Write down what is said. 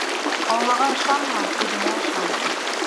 Аллаға ышанма, үҙеңә ышан.